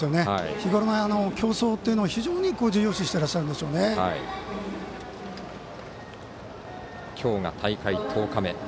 日頃の競争というのを非常に重要視されているんだなと今日が大会１０日目。